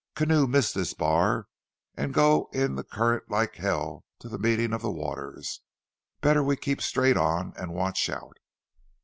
"Canoe miss this bar, and go in the current like hell to the meeting of the waters. Better we keep straight on and watch out."